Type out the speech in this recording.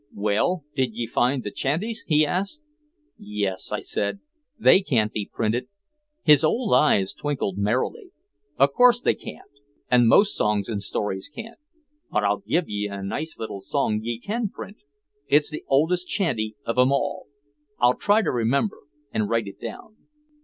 "Well, did ye find the chanties?" he asked. "Yes," I said. "They can't be printed." His old eyes twinkled merrily: "Of course they can't. An' most songs an' stories can't. But I'll give ye a nice little song ye can print. It's the oldest chanty of 'em all. I'll try to remember an' write it down."